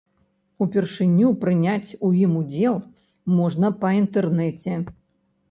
Упершыню прыняць у ім удзел можна па інтэрнэце.